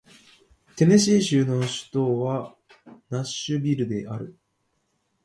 テネシー州の州都はナッシュビルである